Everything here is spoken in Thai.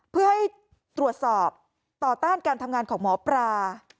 เพื่อให้ตรวจสอบต่อต้านการทำงานของหมอปลา